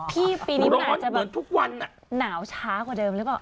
พี่ปีนี้มันอาจจะแบบหนาวช้ากว่าเดิมหรือเปล่า